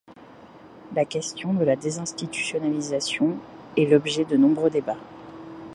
La question de la désinstitutionnalisation est l'objet de nombreux débats.